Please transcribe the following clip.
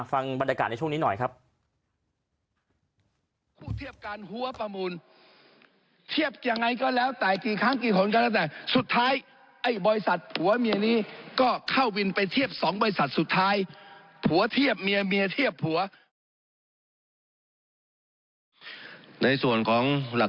ฟังบรรยากาศในช่วงนี้หน่อยครับ